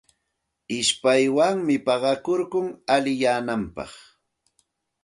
Ishpaywanmi paqakurkun allinyananpaq.